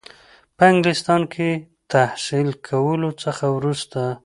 په انګلستان کې تحصیل کولو څخه وروسته.